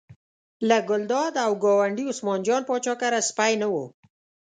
له ګلداد او ګاونډي عثمان جان پاچا کره سپی نه و.